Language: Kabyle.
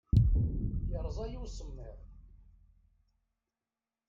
Yerẓa-yi usemmiḍ.